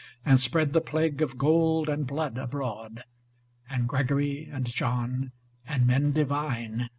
And spread the plague of gold and blood abroad ; And Gregory and John, and men divine.